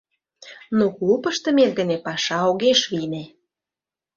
Но клуб ыштымет дене паша огеш вийне.